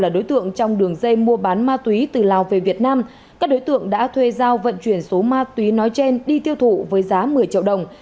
đối tượng trong đường dây mua bán ma túy từ lào về việt nam các đối tượng đã thuê giao vận chuyển số ma túy nói trên đi tiêu thụ với giá một mươi triệu đồng